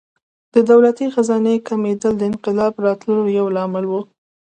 د دولتي خزانې کمېدل د انقلاب راتلو یو لامل و.